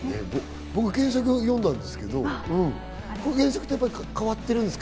僕、原作を読んだんですけど、原作と変わってるんですか？